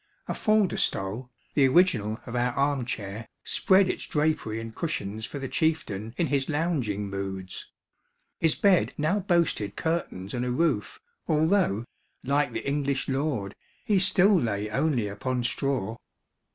A faldestol, the original of our arm chair, spread its drapery and cushions for the chieftain in his lounging moods. His bed now boasted curtains and a roof, although, like the English lord, he still lay only upon straw.